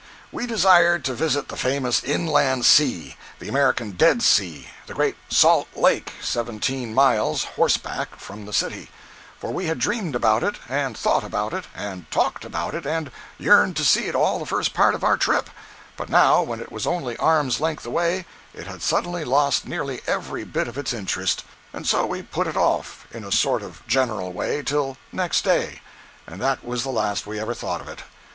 ] We desired to visit the famous inland sea, the American "Dead Sea," the great Salt Lake—seventeen miles, horseback, from the city—for we had dreamed about it, and thought about it, and talked about it, and yearned to see it, all the first part of our trip; but now when it was only arm's length away it had suddenly lost nearly every bit of its interest. And so we put it off, in a sort of general way, till next day—and that was the last we ever thought of it.